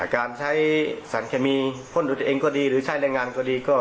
การใช้สารเคมีพ่นดูตัวเองก็ดีหรือใช้แรงงานก็ดีก็